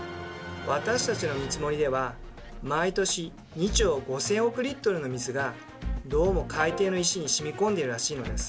私たちの見積もりでは毎年２兆５，０００億の水がどうも海底の石にしみこんでいるらしいのです。